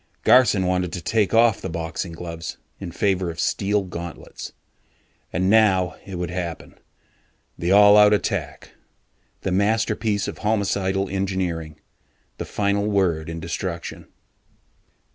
Garson wanted to take off the boxing gloves in favor of steel gauntlets. And now it would happen the all out attack, the masterpiece of homicidal engineering, the final word in destruction.